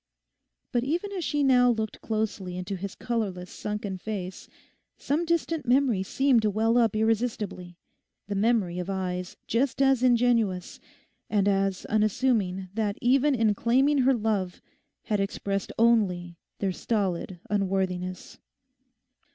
But even as she now looked closely into his colourless sunken face some distant memory seemed to well up irresistibly—the memory of eyes just as ingenuous, and as unassuming that even in claiming her love had expressed only their stolid unworthiness.